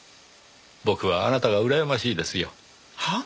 僕はあなたがうらやましいですよ。はあ？